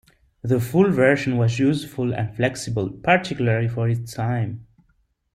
The full version was useful and flexible, particularly for its time.